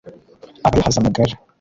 aba yahaze amagara